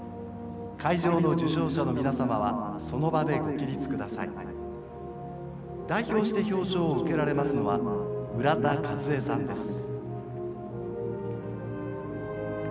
会場の受賞者の皆様はその場でご起立ください。代表して表彰を受けられますのは浦田和栄さんです」。